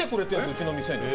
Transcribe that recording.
うちの店に。